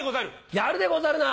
やるでござるな。